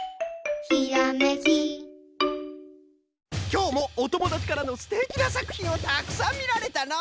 きょうもおともだちからのすてきなさくひんをたくさんみられたの！